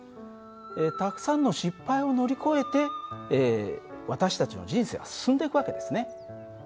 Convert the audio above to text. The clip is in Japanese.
たくさんの失敗を乗り越えて私たちの人生は進んでいく訳ですね。